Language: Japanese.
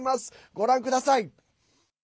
ご覧ください。